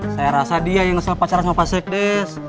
saya rasa dia yang ngesel pacaran sama pak sekdes